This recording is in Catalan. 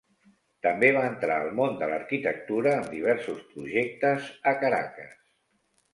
També va entrar al món de l'arquitectura amb diversos projectes a Caracas.